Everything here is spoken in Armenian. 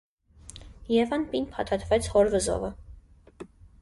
Եվան պինդ փաթաթվեց հոր վզովը: